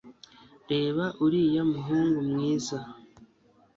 reba uriya muhungu mwiza